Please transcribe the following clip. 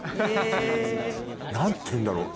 何ていうんだろう？